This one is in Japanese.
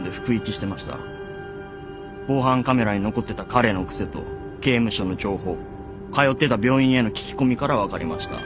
防犯カメラに残ってた彼の癖と刑務所の情報通ってた病院への聞き込みから分かりました。